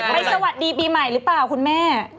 สวัสดีปีใหม่หรือเปล่าคุณแม่